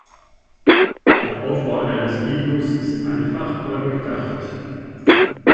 Der Aufbau eines Iglus ist einfach, aber durchdacht.